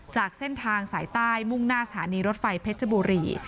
จากเส้นทางสายใต้มุ่งหน้าสถานีรถไฟเพชรบุรี